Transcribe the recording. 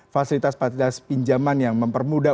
fasilitas fasilitas pinjaman yang mempermudah